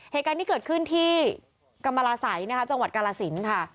เหตุการณ์ที่เกิดขึ้นที่กรรมราศัยนะคะจังหวัดกาลสินค่ะ